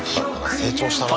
成長したなあ。